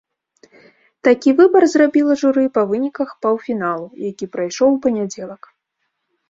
Такі выбар зрабіла журы па выніках паўфіналу, які прайшоў у панядзелак.